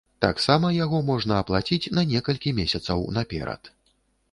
Таксама яго можна аплаціць на некалькі месяцаў наперад.